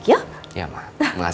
yaudah aku paham ya